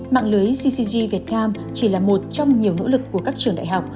mạng lưới ccg việt nam chỉ là một trong nhiều nỗ lực của các trường đại học